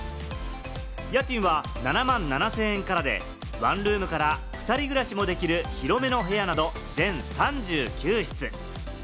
家賃は７万７０００円からで、ワンルームから２人暮らしもできる広めの部屋など、全３９室。